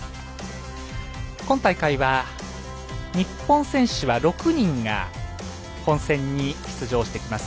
今大会は日本選手は６人が本戦に出場してきます。